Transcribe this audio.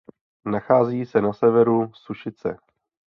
Nachází se na severu Sušice.